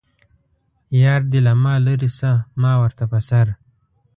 یار دې له ما لرې شه ما ورته په سر.